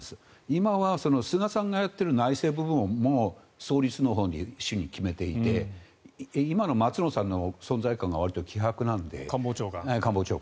今は菅さんがやっている内政部分を主に決めていて今の松野さんの存在感がわりと希薄なので官房長官。